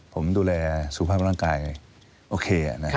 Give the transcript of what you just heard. ผมดูแลสุขภาพร่างกายโอเค